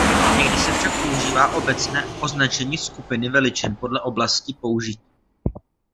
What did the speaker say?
Někdy se však používá obecné označení skupiny veličin podle oblasti použití.